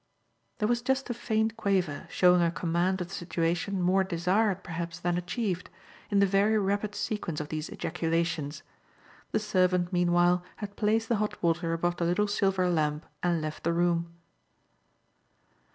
There was just a faint quaver, showing a command of the situation more desired perhaps than achieved, in the very rapid sequence of these ejaculations. The servant meanwhile had placed the hot water above the little silver lamp and left the room.